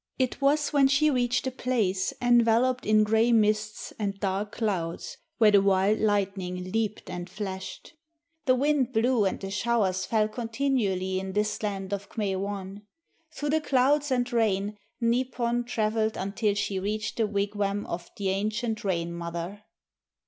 It was when she reached a place enveloped in grey mists and dark clouds where the wild lightning leaped and flashed. The wind blew and the showers fell continually in this land of K'me wan. Through the clouds and rain Nipon traveled until she reached the wigwam of the ancient Rain mother.